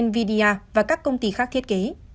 và các công ty khác thiết kế